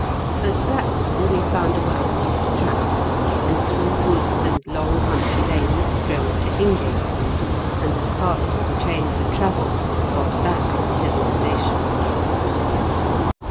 At Blackmore we found a well horsed trap, and through woods and long country lanes drove to Ingatestone, and as fast as the train could travel got back to civilisation.